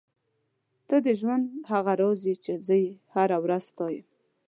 ته د ژوند هغه راز یې چې زه یې هره ورځ ستایم.